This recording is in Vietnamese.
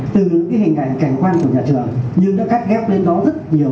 từ những hình ảnh cảnh quan của nhà trường nhưng nó cắt ghép lên đó rất nhiều